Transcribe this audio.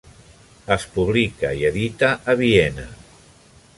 Es publica i edita a Viena.